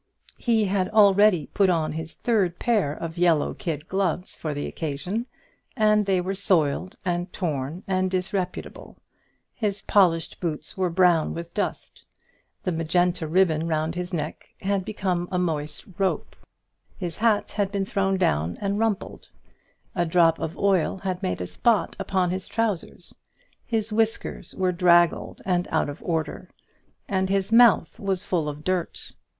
He had already put on his third pair of yellow kid gloves for the occasion, and they were soiled and torn and disreputable; his polished boots were brown with dust; the magenta ribbon round his neck had become a moist rope; his hat had been thrown down and rumpled; a drop of oil had made a spot upon his trousers; his whiskers were draggled and out of order, and his mouth was full of dirt.